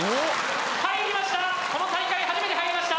入りました。